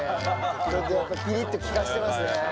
やっぱピリッと利かせてますね。